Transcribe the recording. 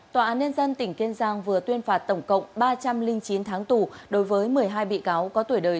tòa án nên dân tỉnh kiên giang vừa tuyên phạt tổng cộng ba trăm linh chín tháng tù đối với một mươi hai bị cáo có tuổi đời